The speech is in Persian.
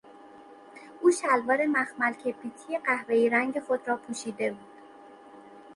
او شلوار مخمل کبریتی قهوهای رنگ خود را پوشیده بود.